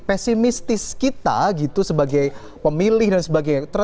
pesimistis kita gitu sebagai pemilih dan sebagainya